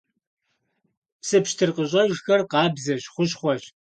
Псы пщтыр къыщӀэжхэр къабзэщ, хущхъуэщ.